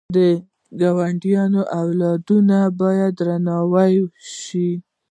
د ګاونډي اولادونه باید درناوی وشي